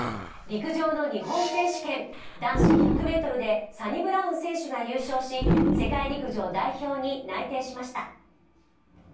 陸上の日本選手権、男子１００ｍでサニブラウン選手が優勝し、世界陸上代表に内定しました。